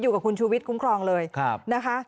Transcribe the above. อยู่กับคุณชูวิทยคุ้มครองเลยนะคะ